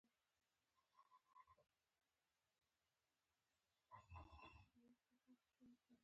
د زورواکو غربي هیوادونو پر ضد.